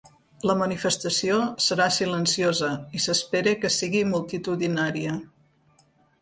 La manifestació serà silenciosa i s’espera que sigui multitudinària.